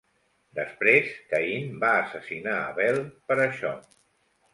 Després, Caín va assassinar Abel per això.